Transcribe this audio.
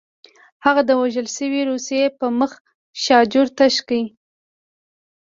هغه د وژل شوي روسي په مخ شاجور تشه کړه